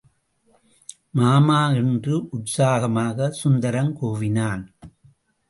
மாமா என்று உற்சாகமாகச் சுந்தரம் கூவினான்.